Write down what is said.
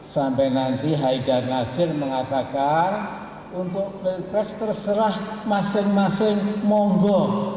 sampai nanti haidar nasir mengatakan untuk pilpres terserah masing masing monggo